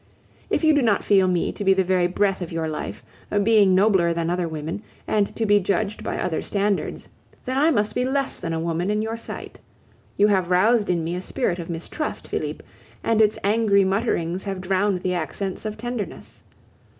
If you do not feel me to be the very breath of your life, a being nobler than other women, and to be judged by other standards, then I must be less than a woman in your sight. You have roused in me a spirit of mistrust, Felipe, and its angry mutterings have drowned the accents of tenderness.